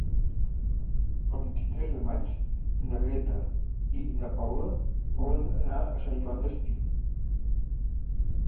El vint-i-tres de maig na Greta i na Paula volen anar a Sant Joan Despí.